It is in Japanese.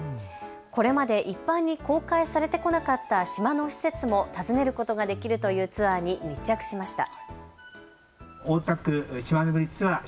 これまで一般に公開されてこなかった島の施設も訪ねることができるというツアーに密着しました。